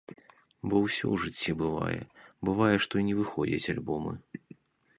Бо ўсё ў жыцці бывае, бывае, што і не выходзяць альбомы.